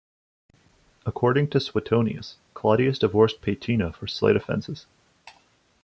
According to Suetonius, Claudius divorced Paetina for slight offenses.